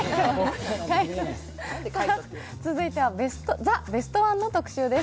続いては「ザ・ベストワン」の特集です。